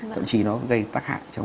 thậm chí nó gây tác hại cho mình